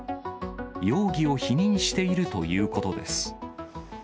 容疑を否認しているというこ